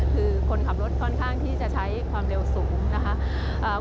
คือคนขับรถค่อนข้างที่จะใช้ความเร็วสูงนะคะ